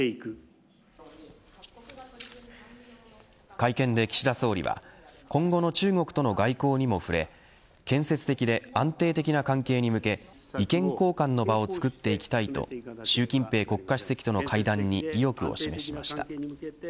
会見で岸田総理は今後の中国との外交にも触れ建設的で安定的な関係に向け意見交換の場をつくっていきたいと習近平国家主席との会談に意欲を示しました。